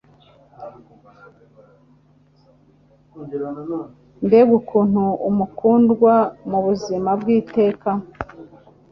mbega ukuntu mukundwa mubuzima bw'iteka